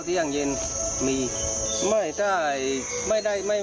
แต่็มันจะเป็นสายพันในแบบร่อมนั่นละ